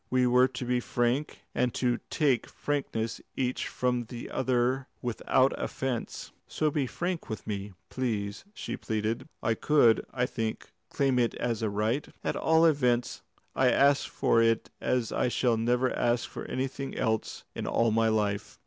We were to be frank, and to take frankness each from the other without offence. So be frank with me! Please!" and she pleaded. "I could, I think, claim it as a right. At all events I ask for it as I shall never ask for anything else in all my life."